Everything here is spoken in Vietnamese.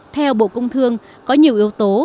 theo bộ công thương có nhiều yếu tố